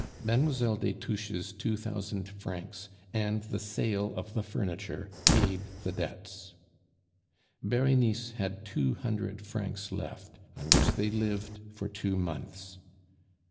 Mlle. des Touches' two thousand francs and the sale of the furniture paid the debts. Berenice had two hundred francs left, on which they lived for two months.